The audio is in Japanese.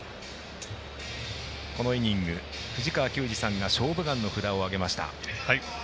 このイニング、藤川球児さんが「勝負眼」の札を挙げました。